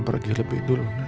bapak gak pernah terbayangkan